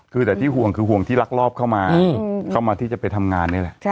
คือแต่ที่ห่วงคือห่วงที่ลักลอบเข้ามาเข้ามาที่จะไปทำงานนี่แหละ